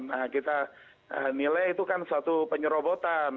nah kita nilai itu kan suatu penyerobotan